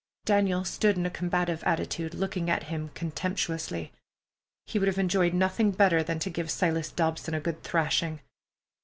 Daniel stood in a combative attitude, looking at him contemptuously. He would have enjoyed nothing better than to give Silas Dobson a good thrashing.